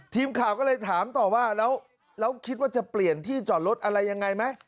ทีมข่าวก็เลยถามต่อว่าแล้วคิดว่าจะเปลี่ยนที่จอดรถอะไรยังไงไหม